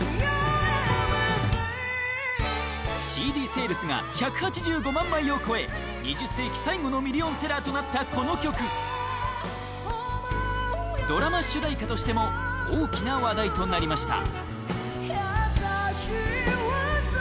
ＣＤセールスが１８５万枚を超え２０世紀最後のミリオンセラーとなったこの曲ドラマ主題歌としても大きな話題となりました